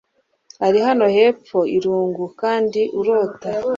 ariko hano hepfo, irungu kandi urota